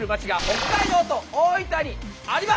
北海道と大分。